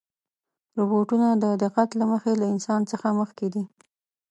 روبوټونه د دقت له مخې له انسان څخه مخکې دي.